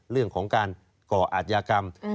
เรื่องของการก่ออาจยากรรม